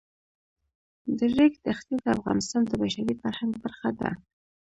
د ریګ دښتې د افغانستان د بشري فرهنګ برخه ده.